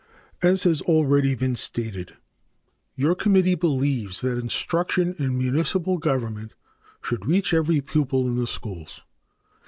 As has already been stated, your committee believes that instruction in municipal government should reach every pupil in the schools.